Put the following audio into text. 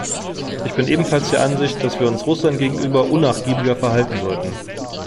Ich bin ebenfalls der Ansicht, dass wir uns Russland gegenüber unnachgiebiger verhalten sollten.